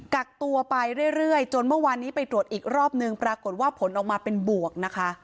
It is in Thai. กักตัวไปเรื่อยจนเมื่อวานนี้ไปตรวจอีกรอบนึงปรากฏว่าผลออกมาเป็นบวกนะคะ